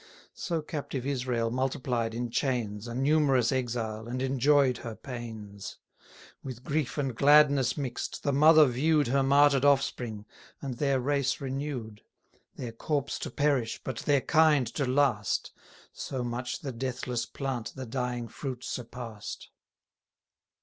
So captive Israel multiplied in chains, A numerous exile, and enjoy'd her pains. 20 With grief and gladness mix'd, the mother view'd Her martyr'd offspring, and their race renew'd; Their corpse to perish, but their kind to last, So much the deathless plant the dying fruit surpass'd.